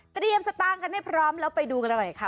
เตรียมสตางค์กันให้พร้อมแล้วไปดูกันเลยในค่ะ